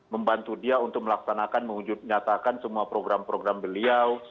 membantu dia untuk melaksanakan mengujud nyatakan semua program program beliau